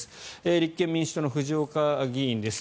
立憲民主党の藤岡議員です。